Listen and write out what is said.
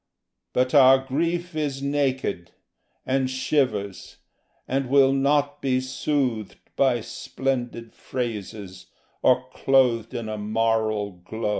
But our grief is naked, and shivers, and will not be soothed By splendid phrases, or clothed in a moral glow.